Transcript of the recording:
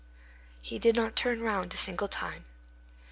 He did not turn round a single time.